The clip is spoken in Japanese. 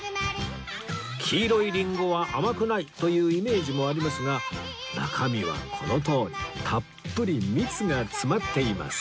黄色いリンゴは甘くないというイメージもありますが中身はこのとおりたっぷり蜜が詰まっています